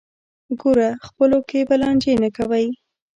ګوره خپلو کې به لانجې نه کوئ.